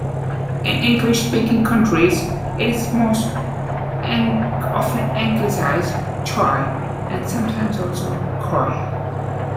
In English speaking countries, it is most often anglicized "Choi", and sometimes also "Choe".